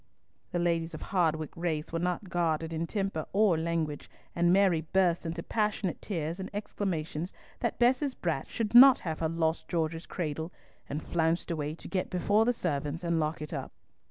The ladies of Hardwicke race were not guarded in temper or language, and Mary burst into passionate tears and exclamations that Bess's brat should not have her lost George's cradle, and flounced away to get before the servants and lock it up.